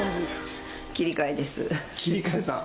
切替さん。